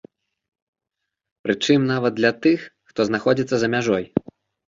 Прычым нават для тых, хто знаходзіцца за мяжой.